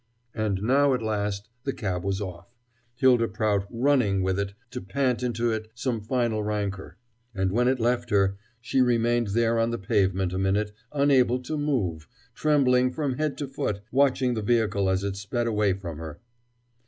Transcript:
And now at last the cab was off, Hylda Prout running with it to pant into it some final rancor; and when it left her, she remained there on the pavement a minute, unable to move, trembling from head to foot, watching the vehicle as it sped away from her.